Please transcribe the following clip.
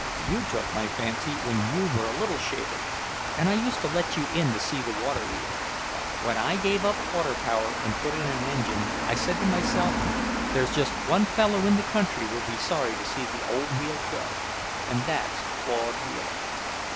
You took my fancy when you were a little shaver, and I used to let you in to see the water wheel. When I gave up water power and put in an engine, I said to myself: 'There's just one fellow in the country will be sorry to see the old wheel go, and that's Claude Wheeler.'"